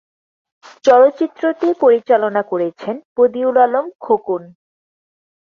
চলচ্চিত্রটি পরিচালনা করেছেন বদিউল আলম খোকন।